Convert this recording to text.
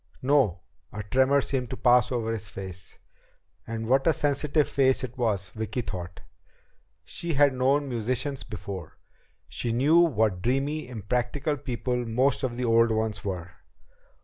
"No." A tremor seemed to pass over his face. And what a sensitive face it was, Vicki thought. She had known musicians before. She knew what dreamy, impractical people most of the old ones were.